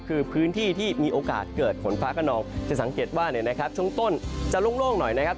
คือพื้นที่ที่มีโอกาสเกิดฝนฟ้ากระนองจะสังเกตว่าช่วงต้นจะโล่งหน่อยนะครับ